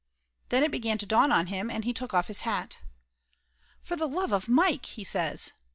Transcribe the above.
Then it began to dawn on him and he took off his hat. "For the love of Mike !" he says.